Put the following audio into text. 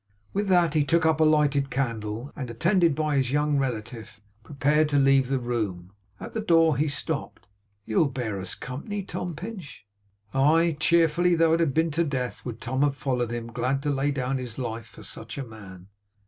With that he took up a lighted candle, and, attended by his young relative, prepared to leave the room. At the door, he stopped. 'You'll bear us company, Tom Pinch?' Aye, cheerfully, though it had been to death, would Tom have followed him; glad to lay down his life for such a man!